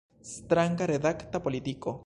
Stranga redakta politiko!